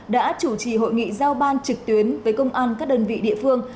đã chủ trì hội nghị giao ban trực tuyến với công an các đơn vị địa phương